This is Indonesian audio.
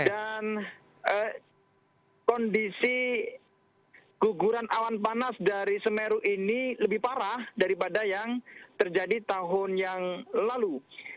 dan kondisi guguran awan panas dari semeru ini lebih parah daripada yang terjadi tahun yang lalu